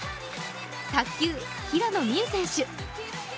卓球・平野美宇選手。